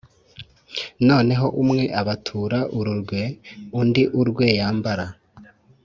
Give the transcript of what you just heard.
noneho umwe abatura uru rwe, undi urwe yambara.